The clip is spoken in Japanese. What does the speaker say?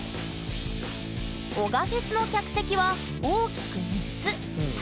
男鹿フェスの客席は大きく３つ。